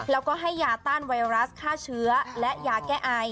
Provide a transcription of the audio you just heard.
แล้วก็ให้ยาต้านไวรัสฆ่าเชื้อและยาแก้ไอ